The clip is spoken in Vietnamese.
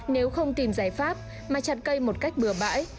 nếu không tìm giải pháp mà chặt cây một cách bừa bãi